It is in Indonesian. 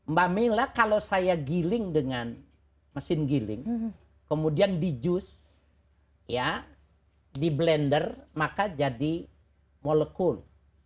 mbak mila kalau saya giling dengan mesin giling kemudian di jus di blender maka jadi molekul